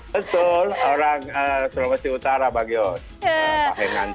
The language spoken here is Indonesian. betul orang sulawesi utara bang yos